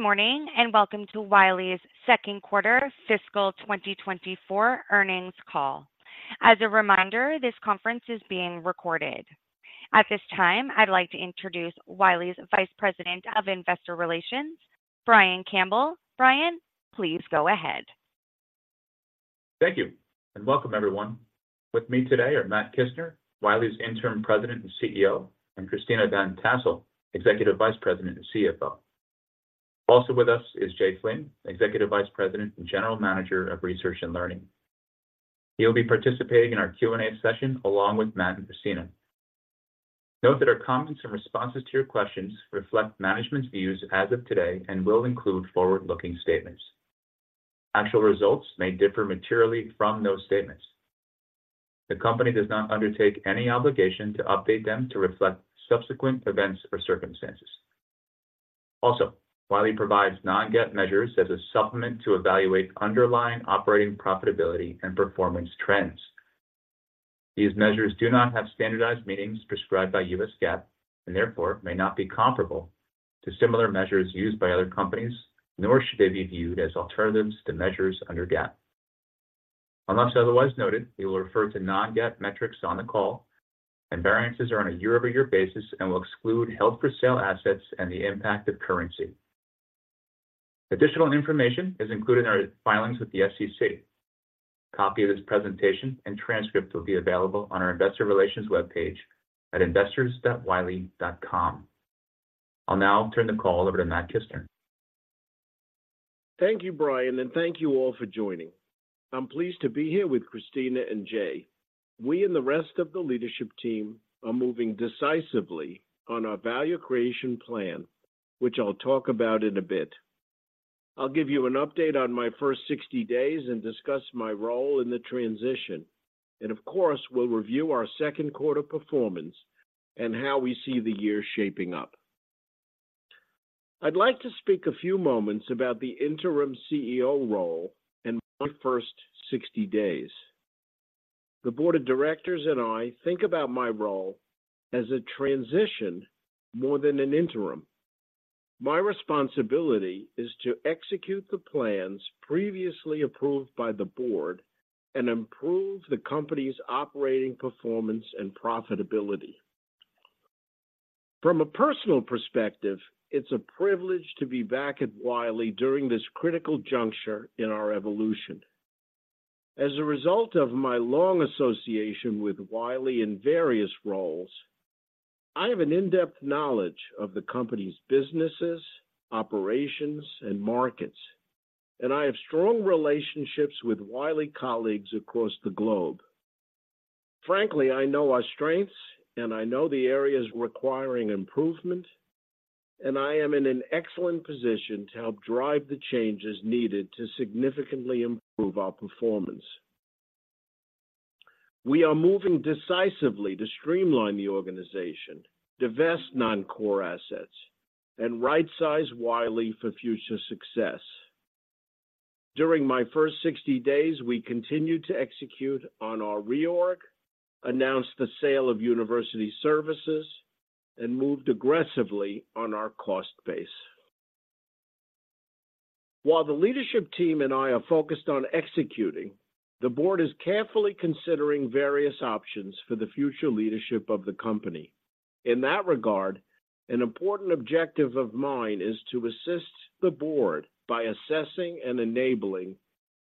Good morning, and welcome to Wiley's Second Quarter Fiscal 2024 Earnings Call. As a reminder, this conference is being recorded. At this time, I'd like to introduce Wiley's Vice President of Investor Relations, Brian Campbell. Brian, please go ahead. Thank you, and welcome, everyone. With me today are Matthew Kissner, Wiley's Interim President and CEO, and Christina Van Tassell, Executive Vice President and CFO. Also with us is Jay Flynn, Executive Vice President and General Manager of Research and Learning. He'll be participating in our Q&A session along with Matt and Christina. Note that our comments and responses to your questions reflect management's views as of today and will include forward-looking statements. Actual results may differ materially from those statements. The company does not undertake any obligation to update them to reflect subsequent events or circumstances. Also, Wiley provides non-GAAP measures as a supplement to evaluate underlying operating profitability and performance trends. These measures do not have standardized meanings prescribed by U.S. GAAP and therefore may not be comparable to similar measures used by other companies, nor should they be viewed as alternatives to measures under GAAP. Unless otherwise noted, we will refer to non-GAAP metrics on the call, and variances are on a year-over-year basis and will exclude held for sale assets and the impact of currency. Additional information is included in our filings with the SEC. A copy of this presentation and transcript will be available on our investor relations webpage at investors.wiley.com. I'll now turn the call over to Matt Kissner. Thank you, Brian, and thank you all for joining. I'm pleased to be here with Christina and Jay. We and the rest of the leadership team are moving decisively on our value creation plan, which I'll talk about in a bit. I'll give you an update on my first 60 days and discuss my role in the transition. Of course, we'll review our second quarter performance and how we see the year shaping up. I'd like to speak a few moments about the interim CEO role and my first 60 days. The Board of Directors and I think about my role as a transition more than an interim. My responsibility is to execute the plans previously approved by the Board and improve the company's operating performance and profitability. From a personal perspective, it's a privilege to be back at Wiley during this critical juncture in our evolution. As a result of my long association with Wiley in various roles, I have an in-depth knowledge of the company's businesses, operations, and markets, and I have strong relationships with Wiley colleagues across the globe. Frankly, I know our strengths and I know the areas requiring improvement, and I am in an excellent position to help drive the changes needed to significantly improve our performance. We are moving decisively to streamline the organization, divest non-core assets, and rightsize Wiley for future success. During my first 60 days, we continued to execute on our reorg, announced the sale of University Services, and moved aggressively on our cost base. While the leadership team and I are focused on executing, the board is carefully considering various options for the future leadership of the company. In that regard, an important objective of mine is to assist the board by assessing and enabling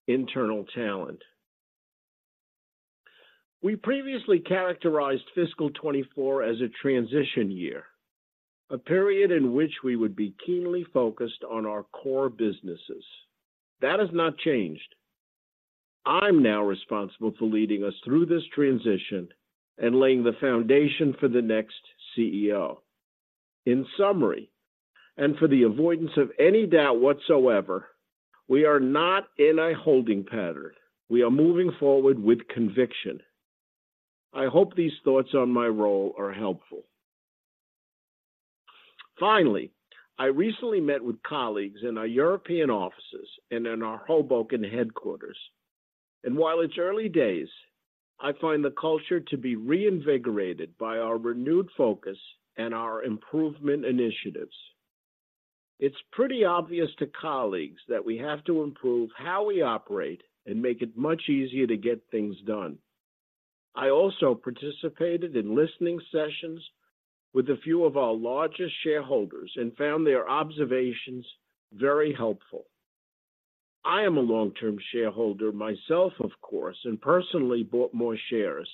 internal talent. We previously characterized fiscal 2024 as a transition year, a period in which we would be keenly focused on our core businesses. That has not changed. I'm now responsible for leading us through this transition and laying the foundation for the next CEO. In summary, and for the avoidance of any doubt whatsoever, we are not in a holding pattern. We are moving forward with conviction. I hope these thoughts on my role are helpful. Finally, I recently met with colleagues in our European offices and in our Hoboken headquarters, and while it's early days, I find the culture to be reinvigorated by our renewed focus and our improvement initiatives. It's pretty obvious to colleagues that we have to improve how we operate and make it much easier to get things done. I also participated in listening sessions with a few of our largest shareholders and found their observations very helpful. I am a long-term shareholder myself, of course, and personally bought more shares.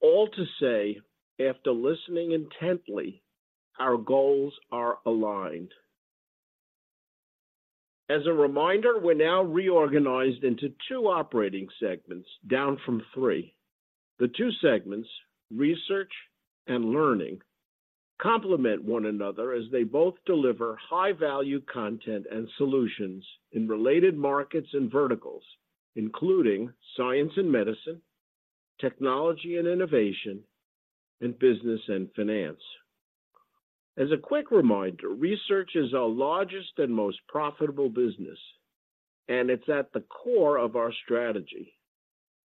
All to say, after listening intently, our goals are aligned. As a reminder, we're now reorganized into two operating segments, down from three. The two segments, Research and Learning, complement one another as they both deliver high-value content and solutions in related markets and verticals, including science and medicine, technology and innovation, and business and finance. As a quick reminder, Research is our largest and most profitable business... and it's at the core of our strategy.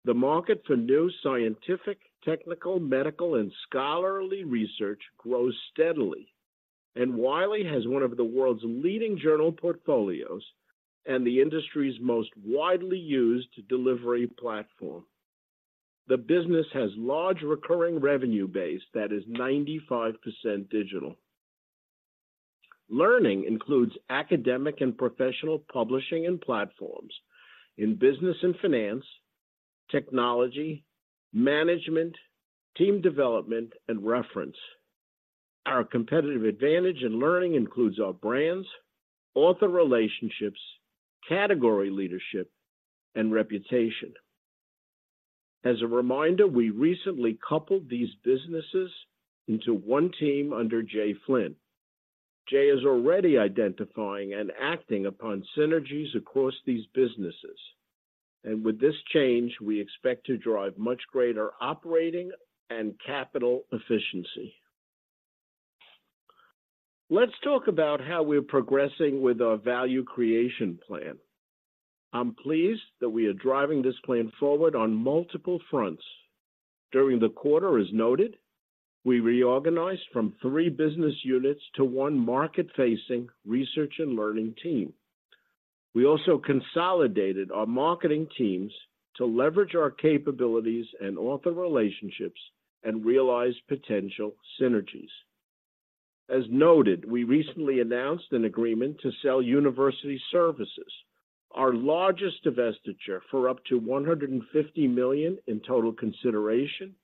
The market for new scientific, technical, medical, and scholarly Research grows steadily, and Wiley has one of the world's leading journal portfolios and the industry's most widely used delivery platform. The business has large recurring revenue base that is 95% digital. Learning includes Academic and Professional Publishing and platforms in business and finance, technology, management, team development, and reference. Our competitive advantage in learning includes our brands, author relationships, category leadership, and reputation. As a reminder, we recently coupled these businesses into one team under Jay Flynn. Jay is already identifying and acting upon synergies across these businesses, and with this change, we expect to drive much greater operating and capital efficiency. Let's talk about how we're progressing with our value creation plan. I'm pleased that we are driving this plan forward on multiple fronts. During the quarter, as noted, we reorganized from three business units to one market-facing Research and Learning team. We also consolidated our marketing teams to leverage our capabilities and author relationships and realize potential synergies. As noted, we recently announced an agreement to sell University Services, our largest divestiture, for up to $150 million in total consideration,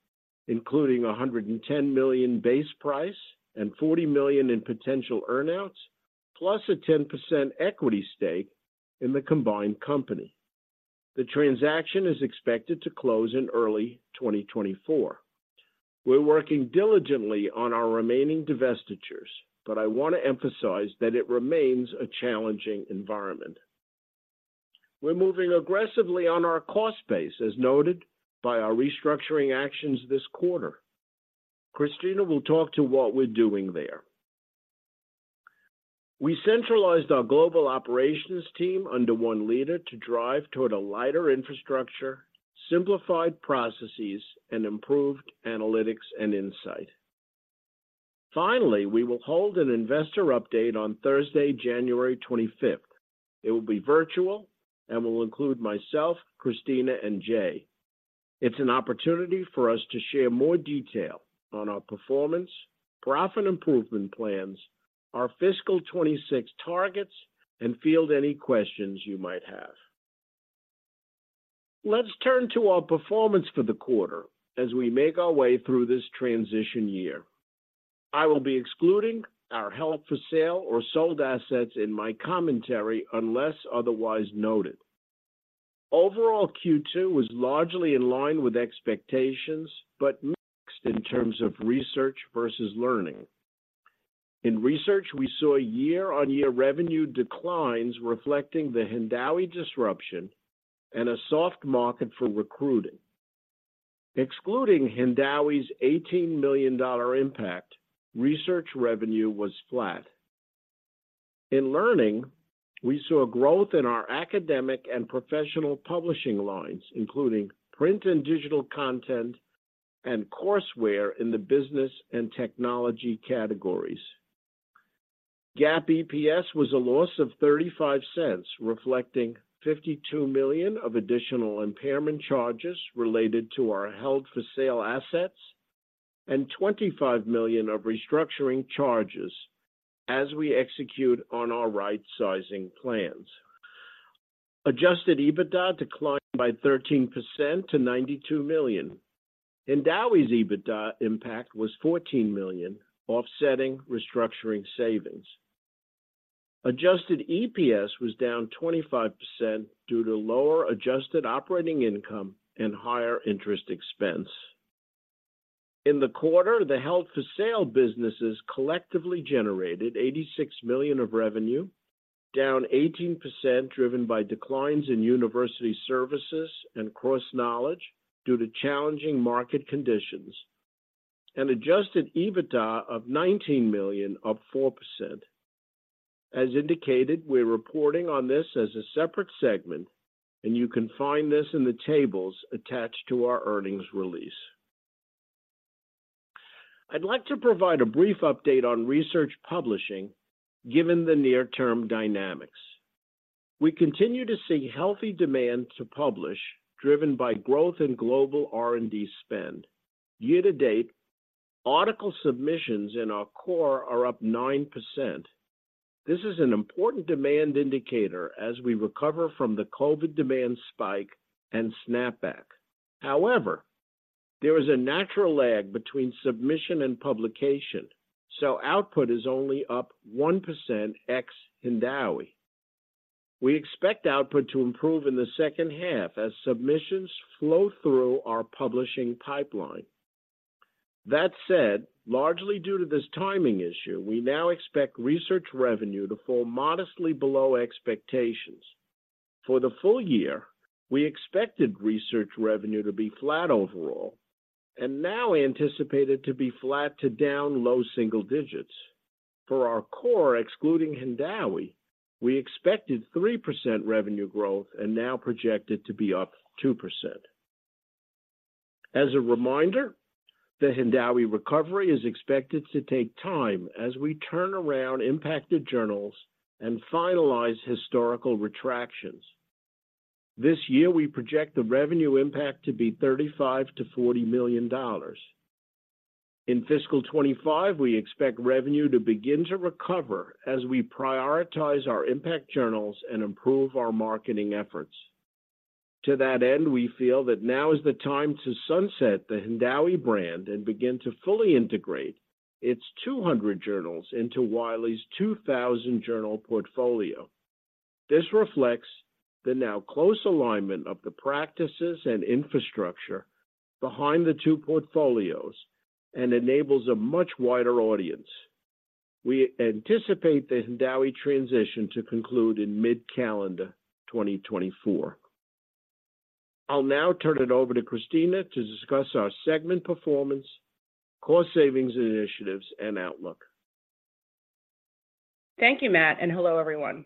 including $110 million base price and $40 million in potential earn-outs, plus a 10% equity stake in the combined company. The transaction is expected to close in early 2024. We're working diligently on our remaining divestitures, but I want to emphasize that it remains a challenging environment. We're moving aggressively on our cost base, as noted by our restructuring actions this quarter. Christina will talk to what we're doing there. We centralized our global operations team under one leader to drive toward a lighter infrastructure, simplified processes, and improved analytics and insight. Finally, we will hold an investor update on Thursday, January 25th. It will be virtual and will include myself, Christina, and Jay. It's an opportunity for us to share more detail on our performance, profit improvement plans, our fiscal 2026 targets, and field any questions you might have. Let's turn to our performance for the quarter as we make our way through this transition year. I will be excluding our held-for-sale or sold assets in my commentary, unless otherwise noted. Overall, Q2 was largely in line with expectations, but mixed in terms of Research versus Learning. In Research, we saw year-on-year revenue declines, reflecting the Hindawi disruption and a soft market for recruiting. Excluding Hindawi's $18 million impact, Research revenue was flat. In learning, we saw a growth in our Academic and Professional Publishing lines, including print and digital content and courseware in the business and technology categories. GAAP EPS was a loss of $0.35, reflecting $52 million of additional impairment charges related to our held-for-sale assets and $25 million of restructuring charges as we execute on our right-sizing plans. Adjusted EBITDA declined by 13% to $92 million. Hindawi's EBITDA impact was $14 million, offsetting restructuring savings. Adjusted EPS was down 25% due to lower adjusted operating income and higher interest expense. In the quarter, the held-for-sale businesses collectively generated $86 million of revenue, down 18%, driven by declines in University Services and CrossKnowledge due to challenging market conditions, and adjusted EBITDA of $19 million, up 4%. As indicated, we're reporting on this as a separate segment, and you can find this in the tables attached to our earnings release. I'd like to provide a brief update on Research Publishing, given the near-term dynamics. We continue to see healthy demand to publish, driven by growth in global R&D spend. Year to date, article submissions in our core are up 9%. This is an important demand indicator as we recover from the COVID demand spike and snapback. However, there is a natural lag between submission and publication, so output is only up 1% ex Hindawi. We expect output to improve in the second half as submissions flow through our publishing pipeline. That said, largely due to this timing issue, we now expect Research revenue to fall modestly below expectations. For the full year, we expected Research revenue to be flat overall and now anticipate it to be flat to down low single digits. For our core, excluding Hindawi, we expected 3% revenue growth and now project it to be up 2%. As a reminder, the Hindawi recovery is expected to take time as we turn around impacted journals and finalize historical retractions. This year, we project the revenue impact to be $35 million-$40 million. In fiscal 2025, we expect revenue to begin to recover as we prioritize our impact journals and improve our marketing efforts. To that end, we feel that now is the time to sunset the Hindawi brand and begin to fully integrate its 200 journals into Wiley's 2,000 journal portfolio. This reflects the now close alignment of the practices and infrastructure behind the two portfolios and enables a much wider audience. We anticipate the Hindawi transition to conclude in mid-calendar 2024. I'll now turn it over to Christina to discuss our segment performance, cost savings initiatives, and outlook. Thank you, Matt, and hello, everyone.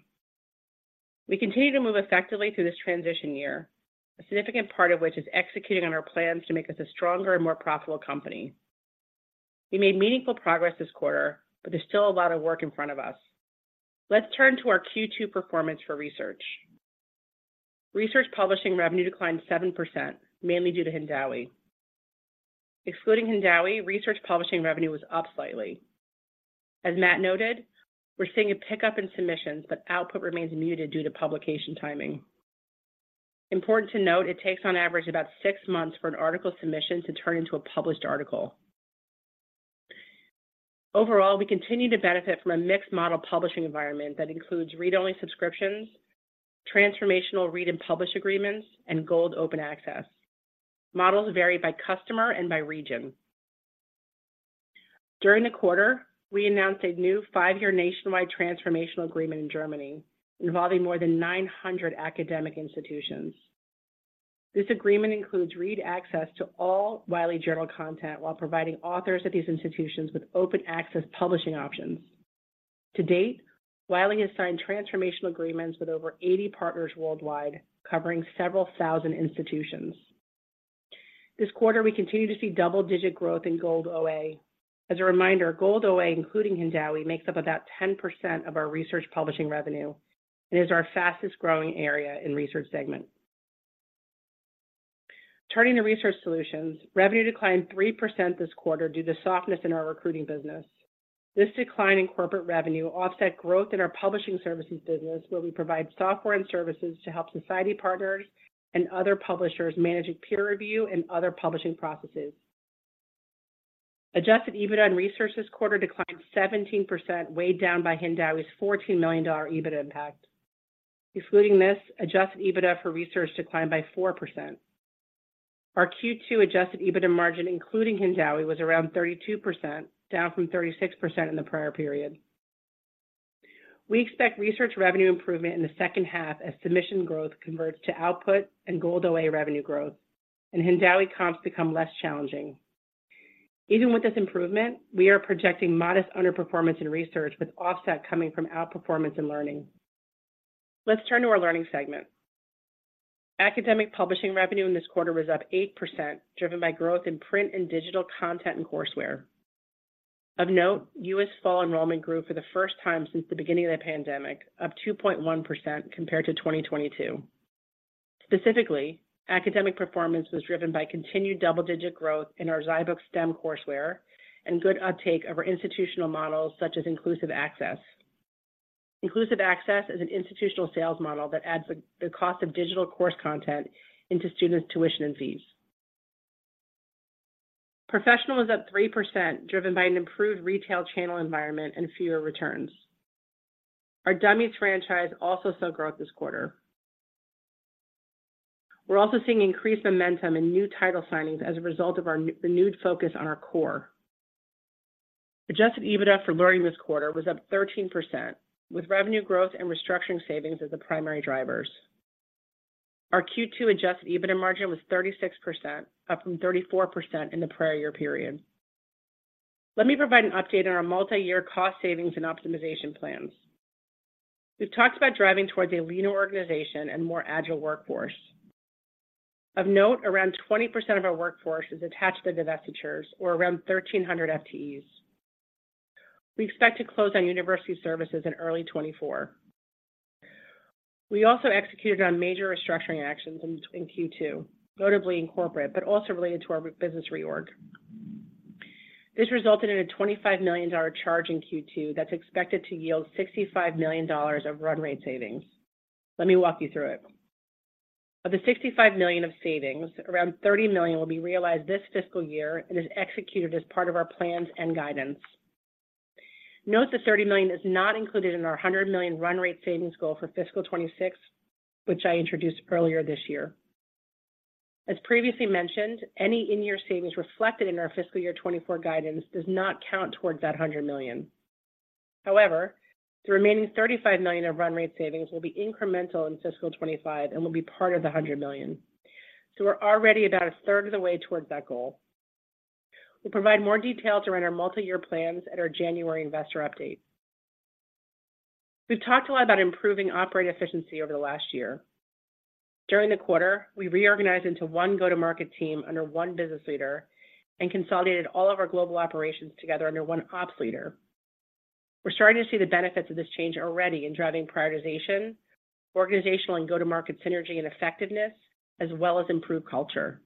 We continue to move effectively through this transition year, a significant part of which is executing on our plans to make us a stronger and more profitable company. We made meaningful progress this quarter, but there's still a lot of work in front of us. Let's turn to our Q2 performance for Research. Research Publishing revenue declined 7%, mainly due to Hindawi. Excluding Hindawi, Research Publishing revenue was up slightly. As Matt noted, we're seeing a pickup in submissions, but output remains muted due to publication timing. Important to note, it takes on average, about six months for an article submission to turn into a published article. Overall, we continue to benefit from a mixed model publishing environment that includes read-only subscriptions, transformational read-and-publish agreements, and Gold Open Access. Models vary by customer and by region. During the quarter, we announced a new five-year nationwide transformational agreement in Germany, involving more than 900 Academic institutions. This agreement includes read access to all Wiley journal content while providing authors at these institutions with open access publishing options. To date, Wiley has signed transformational agreements with over 80 partners worldwide, covering several thousand institutions. This quarter, we continue to see double-digit growth in Gold OA. As a reminder, Gold OA, including Hindawi, makes up about 10% of our Research Publishing revenue and is our fastest-growing area in Research segment. Turning to Research Solutions, revenue declined 3% this quarter due to softness in our recruiting business. This decline in corporate revenue offset growth in our publishing services business, where we provide software and services to help society partners and other publishers managing peer review and other publishing processes. Adjusted EBITDA in Research this quarter declined 17%, weighed down by Hindawi's $14 million EBITDA impact. Excluding this, adjusted EBITDA for Research declined by 4%. Our Q2 adjusted EBITDA margin, including Hindawi, was around 32%, down from 36% in the prior period. We expect Research revenue improvement in the second half as submission growth converts to output and Gold OA revenue growth, and Hindawi comps become less challenging. Even with this improvement, we are projecting modest underperformance in Research, with offset coming from outperformance and learning. Let's turn to our learning segment. Academic Publishing revenue in this quarter was up 8%, driven by growth in print and digital content and courseware. Of note, U.S. fall enrollment grew for the first time since the beginning of the pandemic, up 2.1% compared to 2022. Specifically, Academic performance was driven by continued double-digit growth in our zyBooks STEM courseware and good uptake of our institutional models, such as Inclusive Access. Inclusive Access is an institutional sales model that adds the cost of digital course content into students' tuition and fees. Professional was up 3%, driven by an improved retail channel environment and fewer returns. Our Dummies franchise also saw growth this quarter. We're also seeing increased momentum in new title signings as a result of our renewed focus on our core. Adjusted EBITDA for Learning this quarter was up 13%, with revenue growth and restructuring savings as the primary drivers. Our Q2 adjusted EBITDA margin was 36%, up from 34% in the prior year period. Let me provide an update on our multi-year cost savings and optimization plans. We've talked about driving towards a leaner organization and more agile workforce. Of note, around 20% of our workforce is attached to divestitures or around 1,300 FTEs. We expect to close on University Services in early 2024. We also executed on major restructuring actions in Q2, notably in corporate, but also related to our business reorg. This resulted in a $25 million charge in Q2 that's expected to yield $65 million of run rate savings. Let me walk you through it. Of the $65 million of savings, around $30 million will be realized this fiscal year and is executed as part of our plans and guidance. Note that $30 million is not included in our $100 million run rate savings goal for fiscal 2026, which I introduced earlier this year. As previously mentioned, any in-year savings reflected in our fiscal year 2024 guidance does not count towards that $100 million. However, the remaining $35 million of run rate savings will be incremental in fiscal 2025 and will be part of the $100 million. So we're already about a third of the way towards that goal. We'll provide more details around our multi-year plans at our January investor update. We've talked a lot about improving operating efficiency over the last year. During the quarter, we reorganized into one go-to-market team under one business leader and consolidated all of our global operations together under one ops leader. We're starting to see the benefits of this change already in driving prioritization, organizational and go-to-market synergy and effectiveness, as well as improved culture.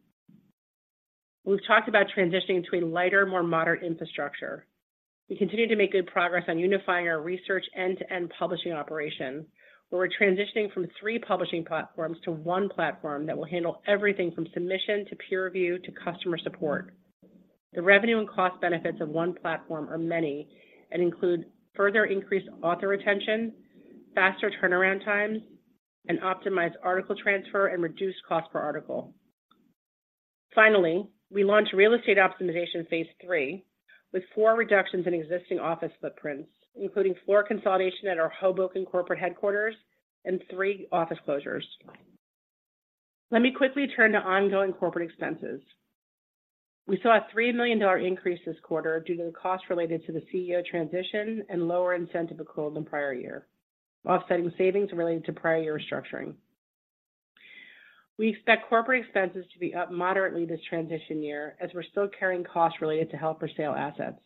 We've talked about transitioning to a lighter, more modern infrastructure. We continue to make good progress on unifying our Research end-to-end publishing operation, where we're transitioning from three publishing platforms to one platform that will handle everything from submission to peer review to customer support. The revenue and cost benefits of one platform are many and include further increased author retention, faster turnaround times, and optimized article transfer, and reduced cost per article. Finally, we launched real estate optimization phase III, with four reductions in existing office footprints, including floor consolidation at our Hoboken corporate headquarters and three office closures. Let me quickly turn to ongoing corporate expenses. We saw a $3 million increase this quarter due to the costs related to the CEO transition and lower incentive accrual than prior year, offsetting savings related to prior year restructuring. We expect corporate expenses to be up moderately this transition year, as we're still carrying costs related to held for sale assets.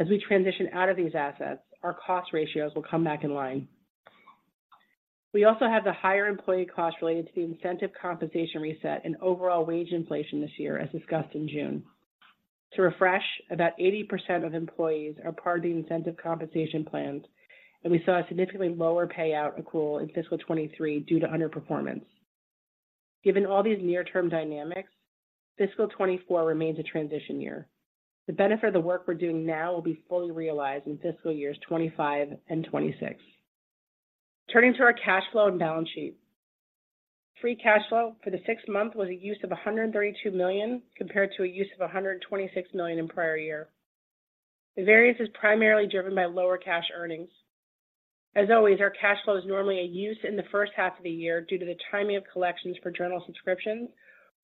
As we transition out of these assets, our cost ratios will come back in line. We also have the higher employee costs related to the incentive compensation reset and overall wage inflation this year, as discussed in June. To refresh, about 80% of employees are part of the incentive compensation plans, and we saw a significantly lower payout accrual in fiscal 2023 due to underperformance. Given all these near-term dynamics, fiscal 2024 remains a transition year. The benefit of the work we're doing now will be fully realized in fiscal years 2025 and 2026. Turning to our cash flow and balance sheet. Free Cash Flow for the first six months was a use of $132 million, compared to a use of $126 million in prior year. The variance is primarily driven by lower cash earnings. As always, our cash flow is normally a use in the first half of the year due to the timing of collections for journal subscriptions,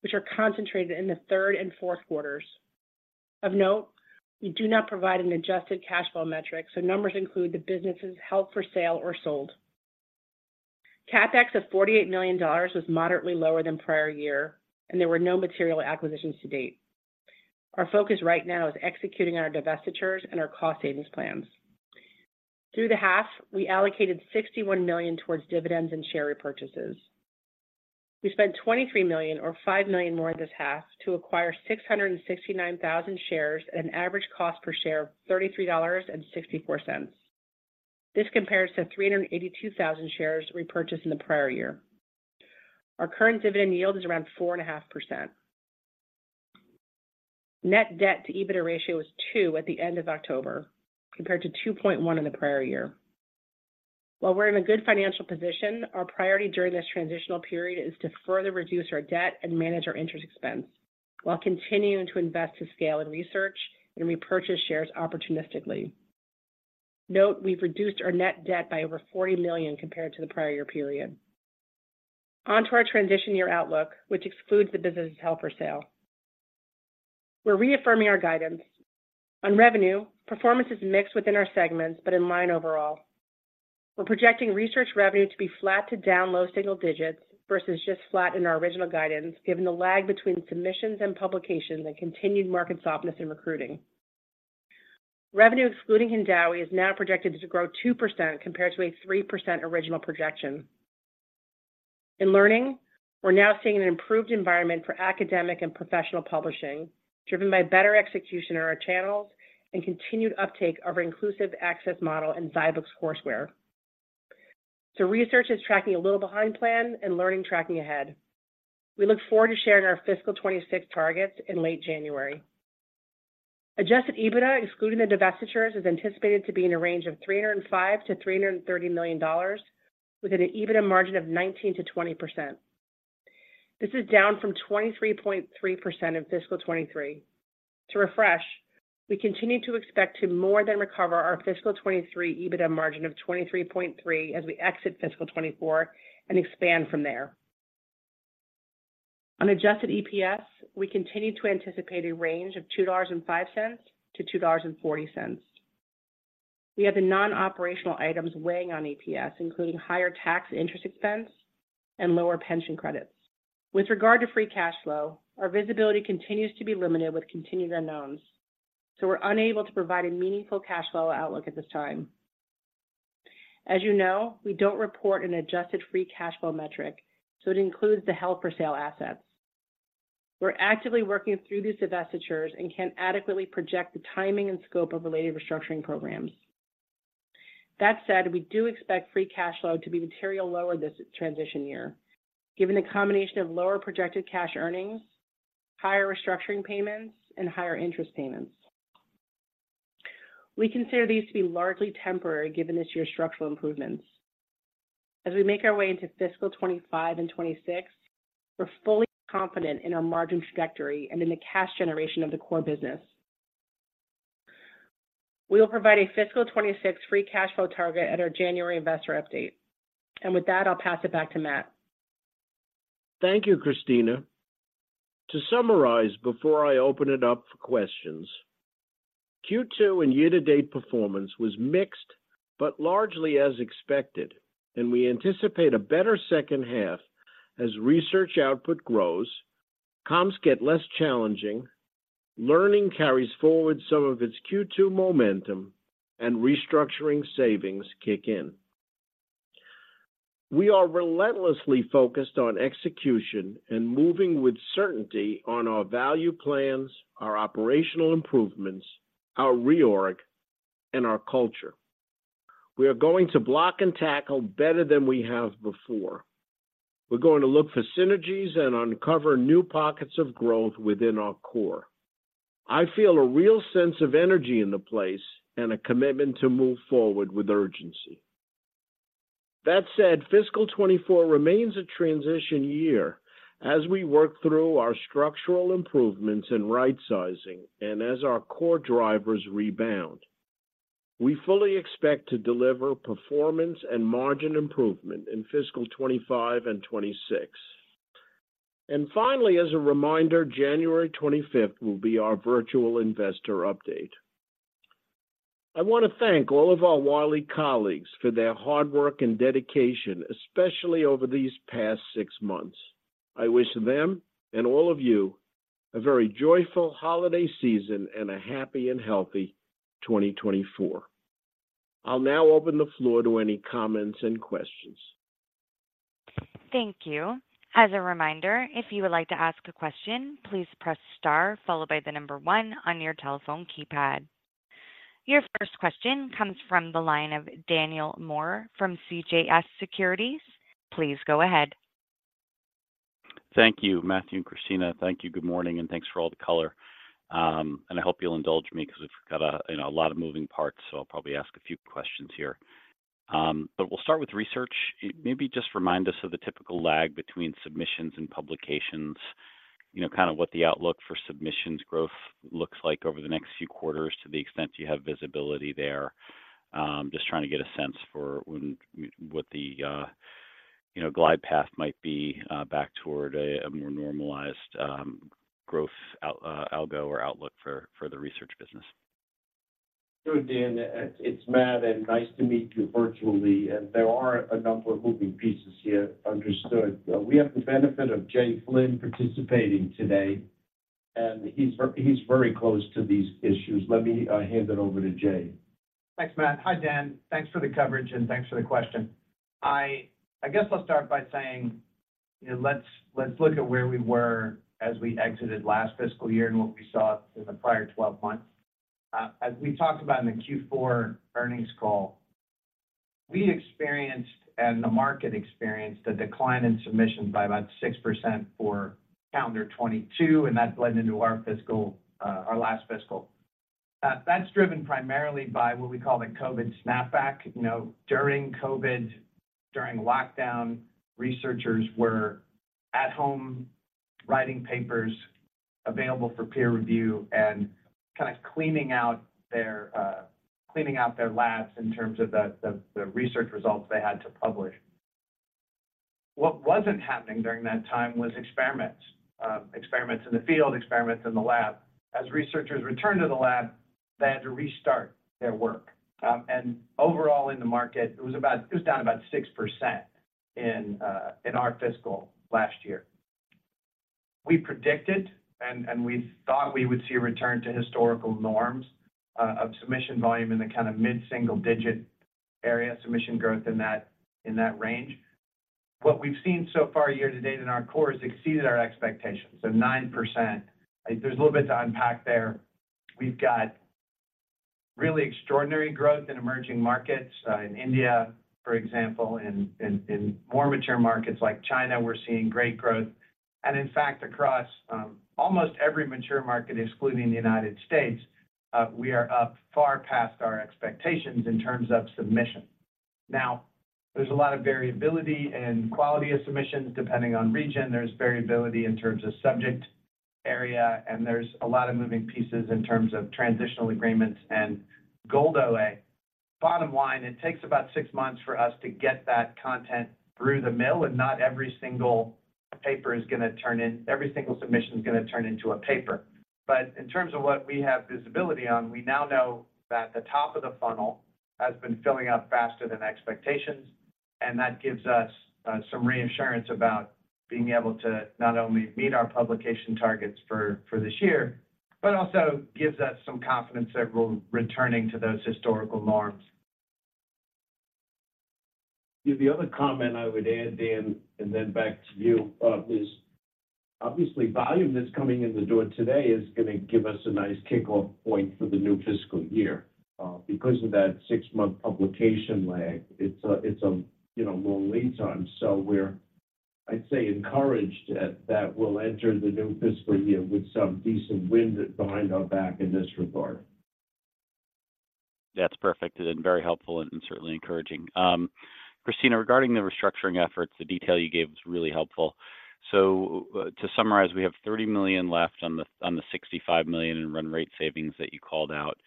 which are concentrated in the third and fourth quarters. Of note, we do not provide an adjusted cash flow metric, so numbers include the businesses held for sale or sold. CapEx of $48 million was moderately lower than prior year, and there were no material acquisitions to date. Our focus right now is executing our divestitures and our cost savings plans. Through the half, we allocated $61 million towards dividends and share repurchases. We spent $23 million, or $5 million more this half, to acquire 669,000 shares at an average cost per share of $33.64. This compares to 382,000 shares repurchased in the prior year. Our current dividend yield is around 4.5%. Net debt to EBITDA ratio is 2 at the end of October, compared to 2.1 in the prior year. While we're in a good financial position, our priority during this transitional period is to further reduce our debt and manage our interest expense, while continuing to invest to scale in Research and repurchase shares opportunistically. Note, we've reduced our net debt by over $40 million compared to the prior year period. On to our transition year outlook, which excludes the business held for sale. We're reaffirming our guidance. On revenue, performance is mixed within our segments, but in line overall. We're projecting Research revenue to be flat to down low single digits versus just flat in our original guidance, given the lag between submissions and publications and continued market softness in recruiting. Revenue excluding Hindawi is now projected to grow 2%, compared to a 3% original projection. In learning, we're now seeing an improved environment for Academic and Professional Publishing, driven by better execution in our channels and continued uptake of our Inclusive Access model and zyBooks courseware. So Research is tracking a little behind plan and learning tracking ahead. We look forward to sharing our fiscal 2026 targets in late January. Adjusted EBITDA, excluding the divestitures, is anticipated to be in a range of $305-$330 million, with an EBITDA margin of 19%-20%. This is down from 23.3% in fiscal 2023. To refresh, we continue to expect to more than recover our fiscal 2023 EBITDA margin of 23.3% as we exit fiscal 2024 and expand from there. On adjusted EPS, we continue to anticipate a range of $2.05-$2.40. We have the non-operational items weighing on EPS, including higher tax interest expense and lower pension credits. With regard to free cash flow, our visibility continues to be limited with continued unknowns, so we're unable to provide a meaningful cash flow outlook at this time. As you know, we don't report an adjusted free cash flow metric, so it includes the held for sale assets. We're actively working through these divestitures and can't adequately project the timing and scope of related restructuring programs. That said, we do expect free cash flow to be materially lower this transition year, given the combination of lower projected cash earnings, higher restructuring payments, and higher interest payments. We consider these to be largely temporary, given this year's structural improvements. As we make our way into fiscal 2025 and 2026, we're fully confident in our margin trajectory and in the cash generation of the core business. We will provide a fiscal 2026 free cash flow target at our January investor update. And with that, I'll pass it back to Matt. Thank you, Christina. To summarize, before I open it up for questions, Q2 and year-to-date performance was mixed, but largely as expected, and we anticipate a better second half as Research output grows, comps get less challenging, learning carries forward some of its Q2 momentum, and restructuring savings kick in. We are relentlessly focused on execution and moving with certainty on our value plans, our operational improvements, our reorg, and our culture. We are going to block and tackle better than we have before. We're going to look for synergies and uncover new pockets of growth within our core. I feel a real sense of energy in the place and a commitment to move forward with urgency. That said, fiscal 2024 remains a transition year as we work through our structural improvements in right sizing and as our core drivers rebound. We fully expect to deliver performance and margin improvement in fiscal 2025 and 2026. And finally, as a reminder, January 25th will be our virtual investor update. I want to thank all of our Wiley colleagues for their hard work and dedication, especially over these past six months. I wish them, and all of you, a very joyful holiday season and a happy and healthy 2024. I'll now open the floor to any comments and questions. Thank you. As a reminder, if you would like to ask a question, please press star followed by the number one on your telephone keypad. Your first question comes from the line of Daniel Moore from CJS Securities. Please go ahead. Thank you, Matthew and Christina. Thank you. Good morning, and thanks for all the color. And I hope you'll indulge me because we've got a, you know, a lot of moving parts, so I'll probably ask a few questions here. But we'll start with Research. Maybe just remind us of the typical lag between submissions and publications, you know, kind of what the outlook for submissions growth looks like over the next few quarters, to the extent you have visibility there. Just trying to get a sense for when—what the, you know, glide path might be, back toward a more normalized growth out, algo or outlook for the Research business. Sure, Dan, it's Matt, and nice to meet you virtually. There are a number of moving pieces here, understood. We have the benefit of Jay Flynn participating today, and he's very close to these issues. Let me hand it over to Jay. Thanks, Matt. Hi, Dan. Thanks for the coverage, and thanks for the question. I guess I'll start by saying, you know, let's look at where we were as we exited last fiscal year and what we saw in the prior 12 months. As we talked about in the Q4 earnings call, we experienced, and the market experienced, a decline in submissions by about 6% for calendar 2022, and that bled into our fiscal, our last fiscal. That's driven primarily by what we call the COVID snapback. You know, during COVID, during lockdown, Researchers were at home writing papers available for peer review and kind of cleaning out their labs in terms of the Research results they had to publish. What wasn't happening during that time was experiments, experiments in the field, experiments in the lab. As Researchers returned to the lab, they had to restart their work. Overall in the market, it was about, it was down about 6% in our fiscal last year. We predicted and we thought we would see a return to historical norms of submission volume in the kind of mid-single-digit area, submission growth in that range. What we've seen so far year to date in our core has exceeded our expectations, so 9%. There's a little bit to unpack there. We've got really extraordinary growth in emerging markets, in India, for example. In more mature markets like China, we're seeing great growth. And in fact, across almost every mature market, excluding the United States, we are up far past our expectations in terms of submission. Now, there's a lot of variability in quality of submissions depending on region. There's variability in terms of subject area, and there's a lot of moving pieces in terms of transformational agreements and Gold OA. Bottom line, it takes about six months for us to get that content through the mill, and not every single submission is going to turn into a paper. But in terms of what we have visibility on, we now know that the top of the funnel has been filling up faster than expectations, and that gives us some reassurance about being able to not only meet our publication targets for this year, but also gives us some confidence that we're returning to those historical norms. The other comment I would add, Dan, and then back to you, is obviously volume that's coming in the door today is going to give us a nice kickoff point for the new fiscal year. Because of that six-month publication lag, it's a, you know, long lead time. So we're, I'd say, encouraged that that will enter the new fiscal year with some decent wind behind our back in this regard.... That's perfect and very helpful and certainly encouraging. Christina, regarding the restructuring efforts, the detail you gave was really helpful. So, to summarize, we have $30 million left on the $65 million in run rate savings that you called out.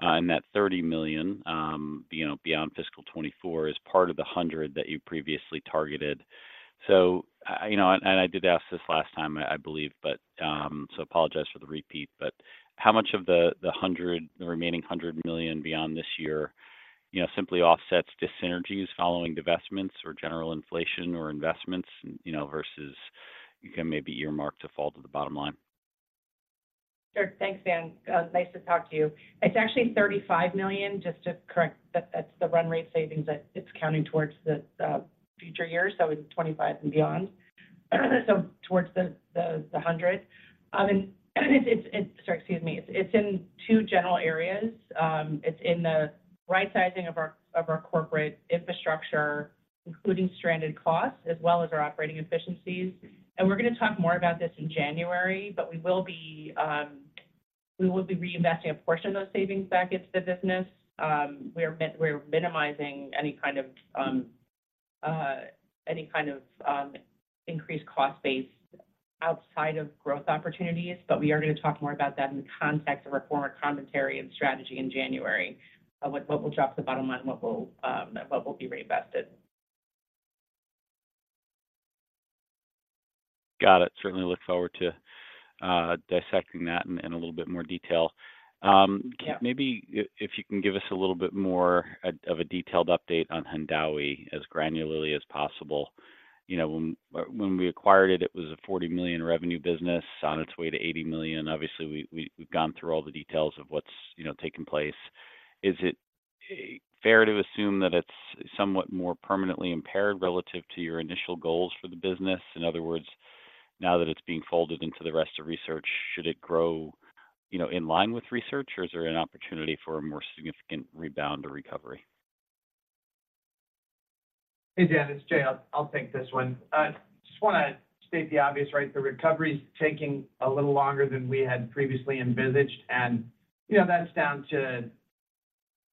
And that $30 million, you know, beyond fiscal 2024 is part of the $100 million that you previously targeted. So, you know, and, and I did ask this last time, I believe, but, so I apologize for the repeat, but how much of the $100 million, the remaining $100 million beyond this year, you know, simply offsets dyssynergies following divestments or general inflation or investments, you know, versus, you can maybe earmark to fall to the bottom line? Sure. Thanks, Dan. Nice to talk to you. It's actually $35 million, just to correct that, that's the run rate savings that it's counting towards the future years, so it's 25 and beyond. So towards the 100. And it's in two general areas. Sorry, excuse me. It's in the right sizing of our corporate infrastructure, including stranded costs as well as our operating efficiencies. And we're going to talk more about this in January, but we will be reinvesting a portion of those savings back into the business. We are minimizing any kind of increased cost base outside of growth opportunities, but we are going to talk more about that in the context of our former commentary and strategy in January with what we'll drop to the bottom line and what will be reinvested. Got it. Certainly look forward to dissecting that in a little bit more detail. Yeah. Maybe if you can give us a little bit more of a detailed update on Hindawi as granularly as possible. You know, when we acquired it, it was a $40 million revenue business on its way to $80 million. Obviously, we've gone through all the details of what's, you know, taken place. Is it fair to assume that it's somewhat more permanently impaired relative to your initial goals for the business? In other words, now that it's being folded into the rest of Research, should it grow, you know, in line with Researchers or an opportunity for a more significant rebound or recovery? Hey, Dan, it's Jay. I'll take this one. I just want to state the obvious, right? The recovery is taking a little longer than we had previously envisaged, and, you know, that's down to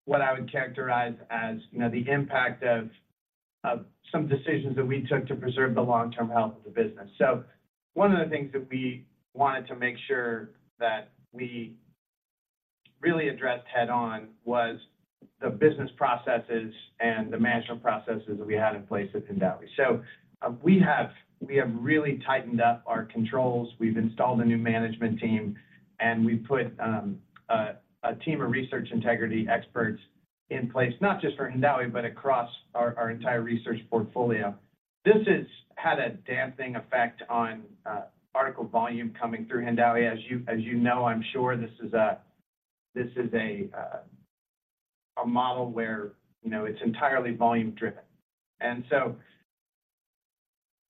what I would characterize as, you know, the impact of some decisions that we took to preserve the long-term health of the business. So one of the things that we wanted to make sure that we really addressed head-on was the business processes and the management processes that we had in place at Hindawi. So, we have really tightened up our controls. We've installed a new management team, and we've put a team of Research integrity experts in place, not just for Hindawi, but across our entire Research portfolio. This has had a damping effect on article volume coming through Hindawi. As you know, I'm sure this is a model where, you know, it's entirely volume driven. And so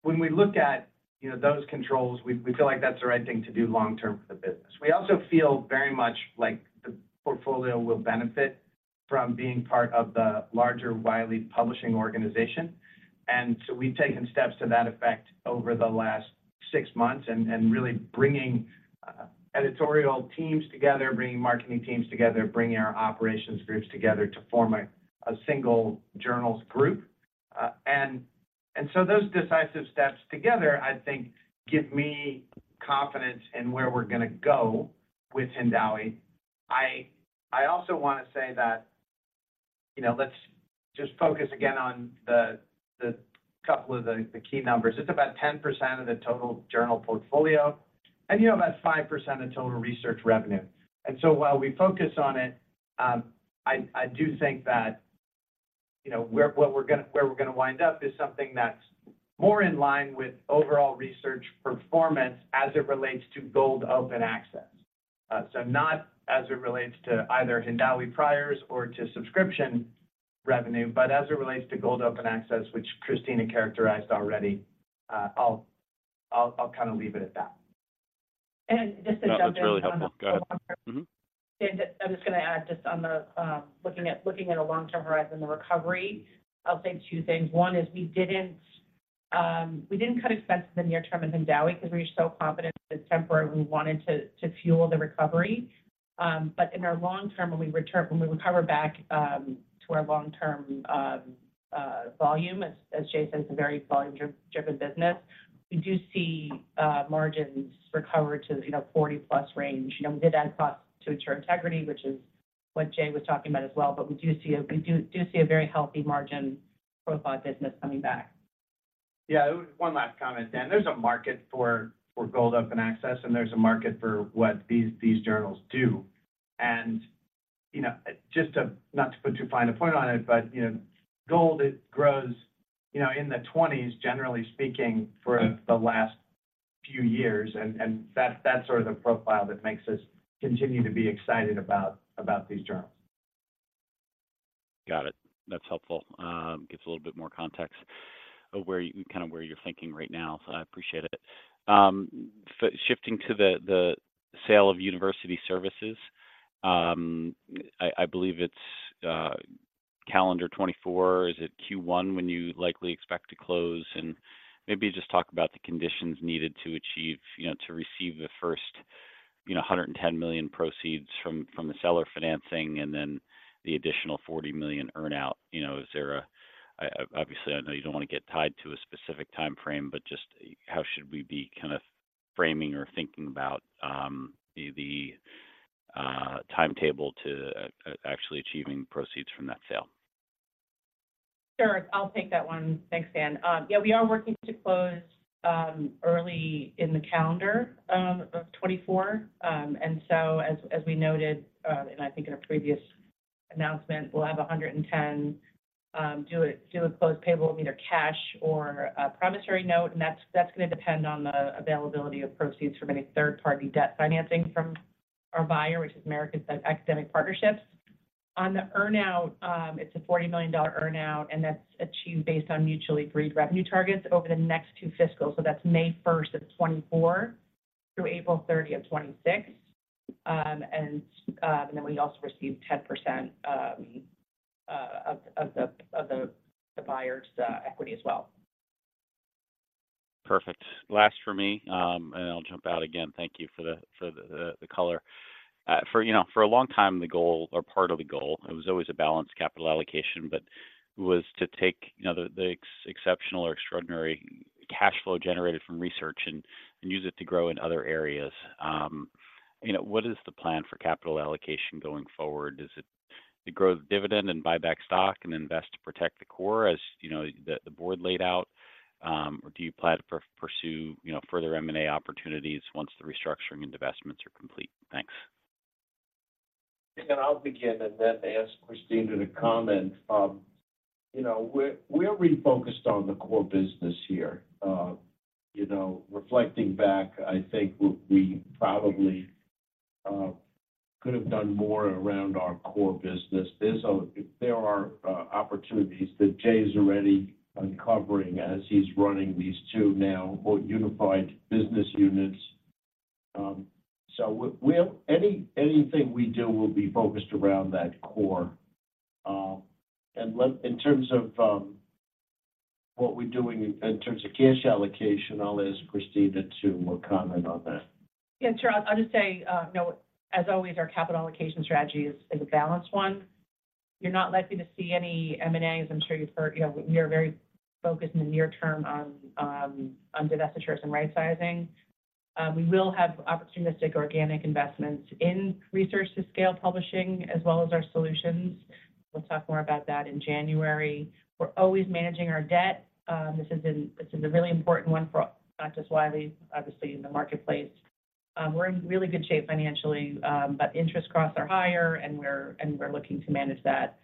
when we look at, you know, those controls, we feel like that's the right thing to do long term for the business. We also feel very much like the portfolio will benefit from being part of the larger Wiley publishing organization. And so we've taken steps to that effect over the last six months and really bringing editorial teams together, bringing marketing teams together, bringing our operations groups together to form a single journals group. So those decisive steps together, I think, give me confidence in where we're going to go with Hindawi. I also want to say that, you know, let's just focus again on the couple of the key numbers. It's about 10% of the total journal portfolio, and, you know, about 5% of total Research revenue. And so while we focus on it, I do think that, you know, where we're going to wind up is something that's more in line with overall Research performance as it relates to Gold Open Access. So not as it relates to either Hindawi priors or to subscription revenue, but as it relates to Gold Open Access, which Christina characterized already. I'll kind of leave it at that. And just to- That's really helpful. Go ahead. Mm-hmm. I'm just going to add just on the looking at, looking at a long-term horizon, the recovery. I'll say two things. One is we didn't cut expenses in the near term in Hindawi because we were so confident it was temporary. We wanted to fuel the recovery. But in our long term, when we return, when we recover back to our long-term volume, as Jay said, it's a very volume-driven business. We do see margins recover to, you know, 40+ range. You know, we did add costs to ensure integrity, which is what Jay was talking about as well, but we do see a very healthy margin profile business coming back. Yeah, one last comment, Dan. There's a market for, for Gold Open Access, and there's a market for what these, these journals do. And, you know, just to... not to put too fine a point on it, but, you know, Gold Open Access, it grows, you know, in the 20s, generally speaking, for the last few years. And, and that's, that's sort of the profile that makes us continue to be excited about, about these journals. Got it. That's helpful. Gives a little bit more context of where, kind of where you're thinking right now, so I appreciate it. Shifting to the sale of University Services, I believe it's calendar 2024, is it Q1 when you likely expect to close? And maybe just talk about the conditions needed to achieve, you know, to receive the first, you know, $110 million proceeds from the seller financing, and then the additional $40 million earn-out. You know, is there a-- obviously, I know you don't want to get tied to a specific time frame, but just how should we be kind of framing or thinking about the timetable to actually achieving proceeds from that sale? Sure, I'll take that one. Thanks, Dan. Yeah, we are working to close early in the calendar of 2024. And so as we noted, and I think in our previous announcement, we'll have $110 million due at close payable of either cash or a promissory note, and that's going to depend on the availability of proceeds from any third-party debt financing from our buyer, which is Academic Partnerships. On the earn-out, it's a $40 million earn-out, and that's achieved based on mutually agreed revenue targets over the next two fiscals. So that's May 1, 2024 through April 30, 2026. And then we also received 10% of the buyer's equity as well. Perfect. Last for me, and I'll jump out again. Thank you for the color. You know, for a long time, the goal or part of the goal, it was always a balanced capital allocation, but was to take you know, the exceptional or extraordinary cash flow generated from Research and use it to grow in other areas. You know, what is the plan for capital allocation going forward? Is it to grow the dividend and buy back stock and invest to protect the core, as you know, the board laid out? Or do you plan to pursue you know, further M&A opportunities once the restructuring and divestments are complete? Thanks I'll begin and then ask Christina to comment. You know, we're refocused on the core business here. You know, reflecting back, I think we probably could have done more around our core business. There are opportunities that Jay is already uncovering as he's running these two now more unified business units. So, anything we do will be focused around that core. And in terms of what we're doing in terms of cash allocation, I'll ask Christina to comment more on that. Yeah, sure. I'll just say, you know, as always, our capital allocation strategy is, is a balanced one. You're not likely to see any M&As. I'm sure you've heard, you know, we are very focused in the near term on, on divestitures and rightsizing. We will have opportunistic organic investments in esearch to scale publishing as well as our solutions. We'll talk more about that in January. We're always managing our debt. This has been, this is a really important one for not just Wiley, obviously in the marketplace. We're in really good shape financially, but interest costs are higher, and we're, and we're looking to manage that.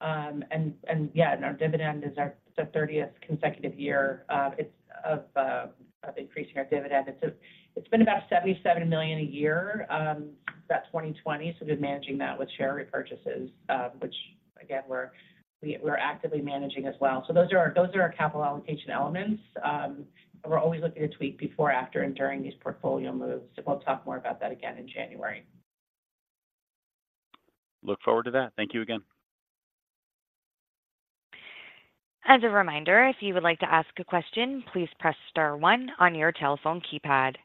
And, and yeah, and our dividend is our, the thirtieth consecutive year, it's of, of increasing our dividend. It's, it's been about $77 million a year, since about 2020. So we've been managing that with share repurchases, which again, we're actively managing as well. So those are our capital allocation elements. And we're always looking to tweak before, after, and during these portfolio moves, so we'll talk more about that again in January. Look forward to that. Thank you again. As a reminder, if you would like to ask a question, please press star one on your telephone keypad.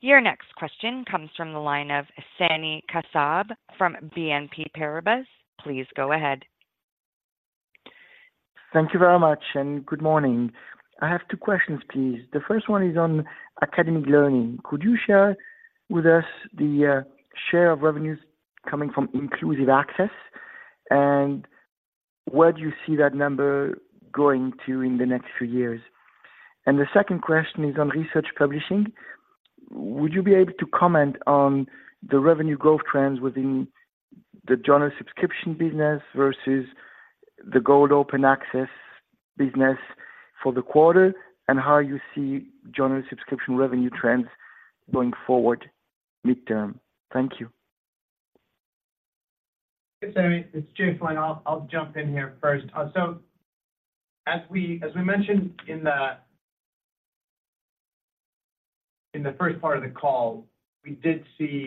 Your next question comes from the line of Sami Kassab from BNP Paribas. Please go ahead. Thank you very much, and good morning. I have two questions, please. The first one is on academic learning. Could you share with us the share of revenues coming from Inclusive Access, and where do you see that number going to in the next few years? And the second question is on Research Publishing. Would you be able to comment on the revenue growth trends within the journal subscription business versus the Gold Open Access business for the quarter, and how you see journal subscription revenue trends going forward midterm? Thank you. Hey, Sami, it's Jay Flynn. I'll jump in here first. So as we mentioned in the first part of the call, we did see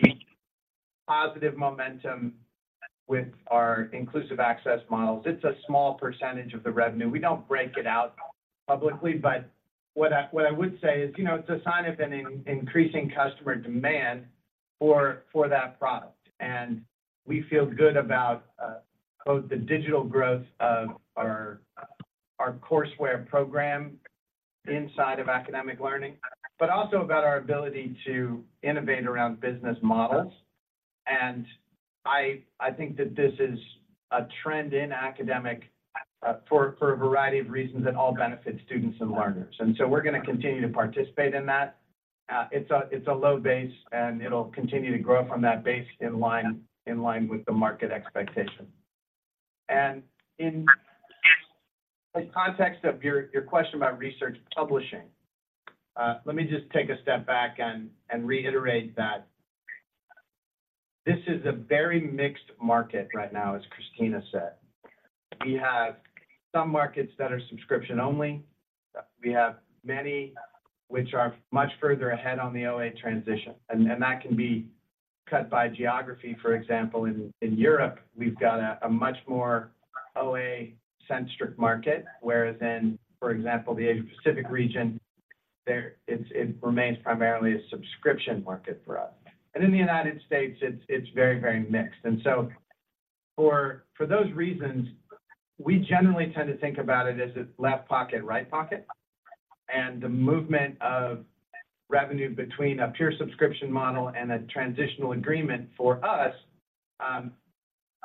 positive momentum with our Inclusive Access models. It's a small percentage of the revenue. We don't break it out publicly, but what I would say is, you know, it's a sign of an increasing customer demand for that product. And we feel good about both the digital growth of our courseware program inside of academic learning, but also about our ability to innovate around business models. And I think that this is a trend in academic for a variety of reasons that all benefit students and learners. And so we're going to continue to participate in that. It's a, it's a low base, and it'll continue to grow from that base in line, in line with the market expectation. In the context of your, your question about Research Publishing, let me just take a step back and, and reiterate that this is a very mixed market right now, as Christina said. We have some markets that are subscription only. We have many which are much further ahead on the OA transition, and, and that can be cut by geography. For example, in, in Europe, we've got a, a much more OA-centric market, whereas in, for example, the Asia Pacific region, there it's, it remains primarily a subscription market for us. And in the United States, it's, it's very, very mixed. And so for, for those reasons, we generally tend to think about it as a left pocket, right pocket. The movement of revenue between a pure subscription model and a transformational agreement for us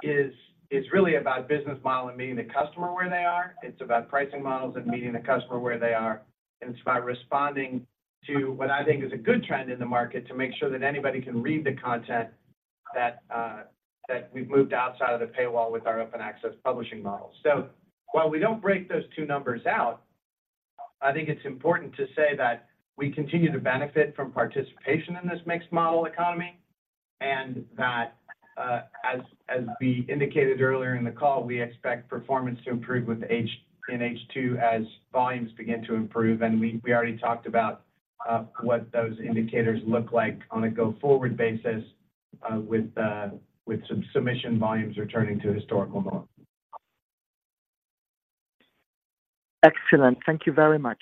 is really about business model and meeting the customer where they are. It's about pricing models and meeting the customer where they are, and it's about responding to what I think is a good trend in the market to make sure that anybody can read the content that we've moved outside of the paywall with our open access publishing model. So while we don't break those two numbers out, I think it's important to say that we continue to benefit from participation in this mixed model economy, and that as we indicated earlier in the call, we expect performance to improve in H2 as volumes begin to improve. We already talked about what those indicators look like on a go-forward basis, with some submission volumes returning to historical norms. Excellent. Thank you very much.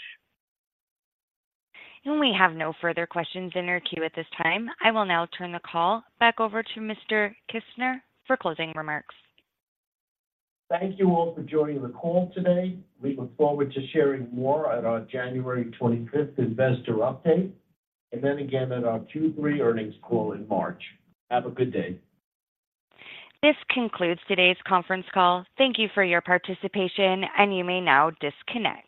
We have no further questions in our queue at this time. I will now turn the call back over to Mr. Kissner for closing remarks. Thank you all for joining the call today. We look forward to sharing more at our January 25th investor update, and then again at our 2023 earnings call in March. Have a good day. This concludes today's conference call. Thank you for your participation, and you may now disconnect.